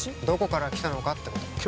どこから来たのかってこと